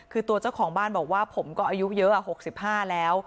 คือตัวเจ้าของบ้านบอกว่าผมก็อายุเยอะ๖๕แล้ว